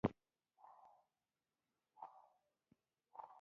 خو هغه دروغجن راوخوت.